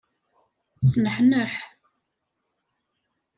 Sneḥneḥ.